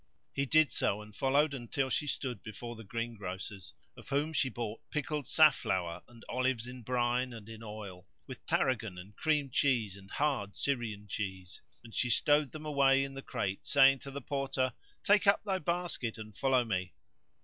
He did so and followed until she stood before the greengrocer's, of whom she bought pickled safflower and olives, in brine and in oil; with tarragon and cream cheese and hard Syrian cheese; and she stowed them away in the crate saying to the Porter, "Take up thy basket and follow me."